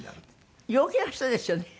陽気な人ですよね。